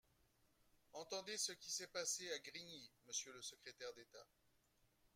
Entendez ce qui s’est passé à Grigny, monsieur le secrétaire d’État